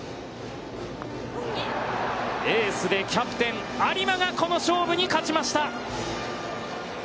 エースでキャプテン、有馬がこの勝負に勝ちました。